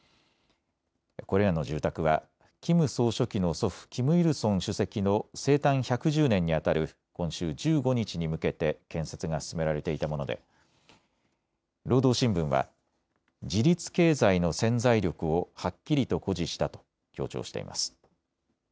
これらの住宅はキム総書記の祖父、キム・イルソン主席の生誕１１０年にあたる今週１５日に向けて建設が進められていたもので労働新聞は自立経済の潜在力をはっきりと誇示したと強調しています。